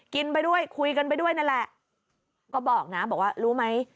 ไปด้วยคุยกันไปด้วยนั่นแหละก็บอกนะบอกว่ารู้ไหม